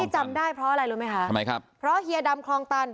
จำได้เพราะอะไรรู้ไหมคะทำไมครับเพราะเฮียดำคลองตัน